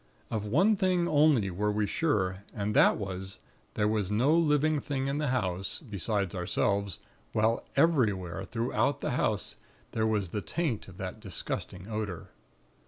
Of one thing only were we sure, and that was, there was no living thing in the house, beside ourselves, while everywhere throughout the house, there was the taint of that disgusting odor.